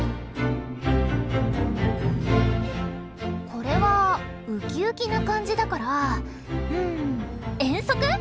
これはウキウキな感じだからうん遠足？